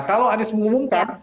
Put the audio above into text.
kalau anies mengumumkan